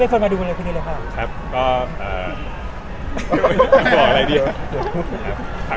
คุณฟินมาดูแลพี่ด้วยเลยค่ะ